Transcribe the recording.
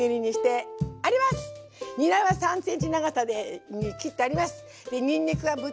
ニラは３ｃｍ長さに切ってあります。